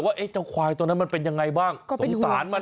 ว่าเจ้าควายตัวนั้นมันเป็นยังไงบ้างสงสารมัน